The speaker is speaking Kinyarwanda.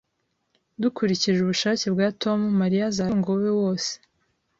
Dukurikije ubushake bwa Tom, Mariya azaragwa umutungo we wose